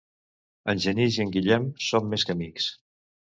En Genís i en Guillem són més que amics.